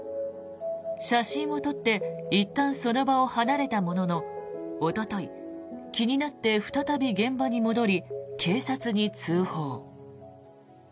写真を撮っていったんその場を離れたもののおととい、気になって再び現場に戻り、警察に通報。